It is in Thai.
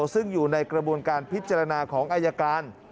ซึ่งอยู่ในกระบวนการพิจารณาของอายการ